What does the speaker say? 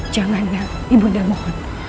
janganlah ibu undang mohon